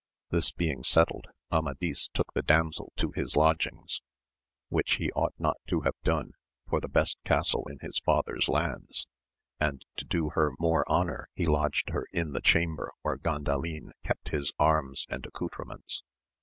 This being settled Amadis took the damsel to his lodgings, which he ought not to have done for the best castle in his father's lands ; and to do her more honour he lodged her in the chamber where Gandalin kept his arms and accoutrements.